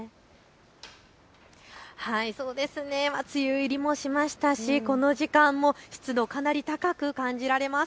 梅雨入りもしましたしこの時間も湿度、かなり高く感じられます。